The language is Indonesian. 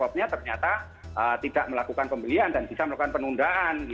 sebabnya ternyata tidak melakukan pembelian dan bisa melakukan penundaan